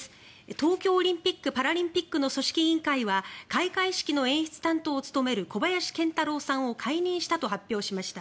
東京オリンピック・パラリンピックの組織委員会は開会式の演出担当を務める小林賢太郎さんを解任したと発表しました。